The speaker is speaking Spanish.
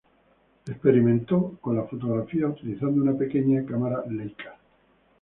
Experimentó con la fotografía utilizando una pequeña cámara Leica.